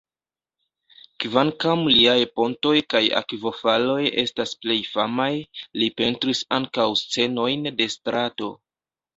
Kvankam liaj pontoj kaj akvofaloj estas plej famaj, li pentris ankaŭ scenojn de strato.